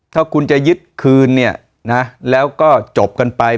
ถ้าคุณจะยึดคืนเนี่ยนะแล้วก็จบกันไป